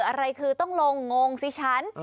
อะไรคือต้องลงงงสิฉัน